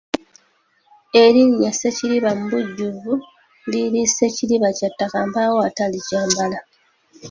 Erinnya Ssekiriba mu bujjuvu liri Ssekiriba kya ttaka mpaawo atalikyambala.